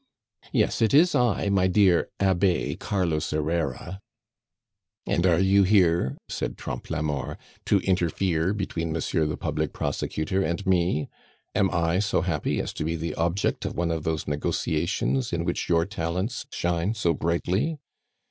"Yes, it is I, my dear Abbe Carlos Herrera." "And are you here," said Trompe la Mort, "to interfere between monsieur the public prosecutor and me? Am I so happy as to be the object of one of those negotiations in which your talents shine so brightly?